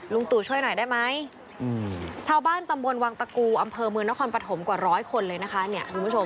ลุงตูช่วยหน่อยได้ไม่